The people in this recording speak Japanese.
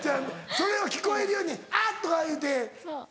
それを聞こえるように「あっ！」とか言うて。